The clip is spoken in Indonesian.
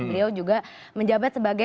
beliau juga menjabat sebagai